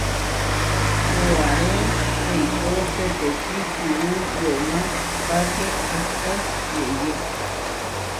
Toaré eikó peteči kuú yomá páke ahpó yeʼyé.